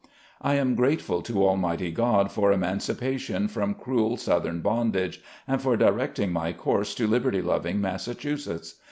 I am greatful to Almighty God for emancipa tion from cruel southern bondage, and for directing my course to liberty loving Massachusetts.